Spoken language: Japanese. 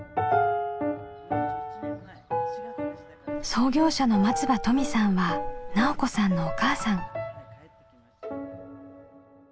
創業者の松場登美さんは奈緒子さんのおかあさん。